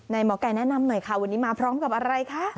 หมอไก่แนะนำหน่อยค่ะวันนี้มาพร้อมกับอะไรคะ